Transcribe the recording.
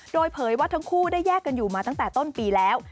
โดยเผยว่าทั้งคู่ได้แยกกันอยู่มาตั้งแต่ต้นปีแล้ว